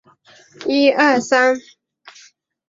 元仁宗延佑六年。